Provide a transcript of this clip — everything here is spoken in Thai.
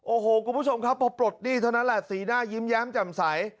โอ้โหคุณผู้ชมครับพอปลดหนี้เท่านั้นแหละสีหน้ายิ้มแย้มแจ่มใส